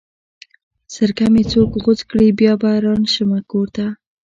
سر که مې څوک غوڅ کړې بيا به رانشمه کور ته